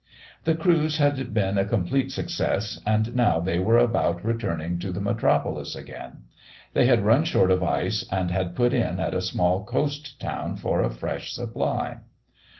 The cruise had been a complete success, and now they were about returning to the metropolis again. They had run short of ice, and had put in at a small coast town for a fresh supply.